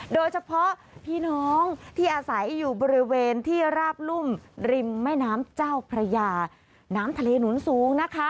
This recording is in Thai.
โดยเฉพาะพี่น้องที่อาศัยอยู่บริเวณที่ราบรุ่มริมแม่น้ำเจ้าพระยาน้ำทะเลหนุนสูงนะคะ